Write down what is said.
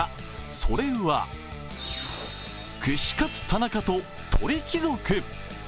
それは串カツ田中と鳥貴族。